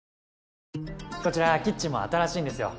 こちらキッチンも新しいんですよ。